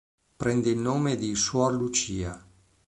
Prende il nome di suor Lucia.